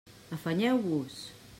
Afanyeu-vos!